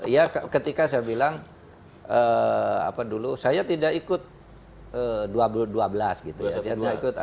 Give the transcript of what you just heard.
ya ketika saya bilang apa dulu saya tidak ikut dua belas dua belas gitu ya saya tidak ikut dua ratus dua puluh dua